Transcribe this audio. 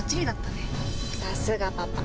さすがパパ。